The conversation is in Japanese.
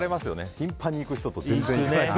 頻繁に行く人と。